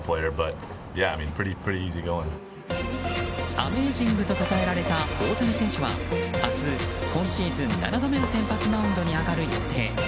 アメージングとたたえられた大谷選手は明日、今シーズン７度目の先発マウンドに上がる予定。